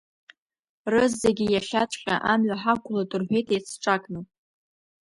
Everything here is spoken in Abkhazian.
Рызегьы иахьаҵәҟьа амҩа ҳақәлоит рҳәеит еицҿакны.